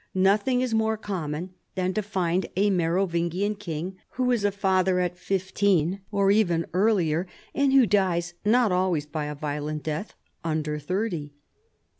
Nothing is more common than to find a Merovingian king who is a father at fifteen, or even earlier, and who dies (not always by a violent death) under thirty.